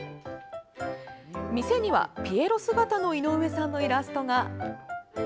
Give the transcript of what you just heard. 店にはピエロ姿の井上さんのイラストが！